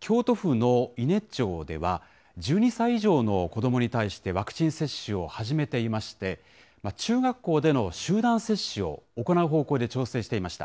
京都府の伊根町では、１２歳以上の子どもに対して、ワクチン接種を始めていまして、中学校での集団接種を行う方向で調整していました。